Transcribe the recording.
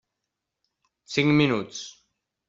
Cinc minuts.